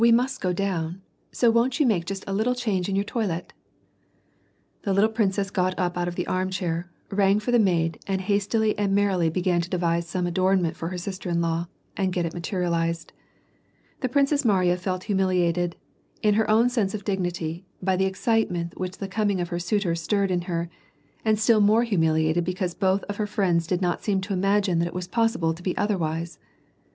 268 must go down ; so won't you make just a little change in your toilette ?"♦ The little princess got up out of the arm chair, rang for the maid; and hastily and merrily began to devise some adornment for her sister in law, and get it materialized. The Princess Mariya felt humiliated, in her own sense of dignity, by the ex citement which the coming of her suitor birred in her, and still more humiliated because both of her friends did not seem to imagine tjiat it was possible to be otherwise.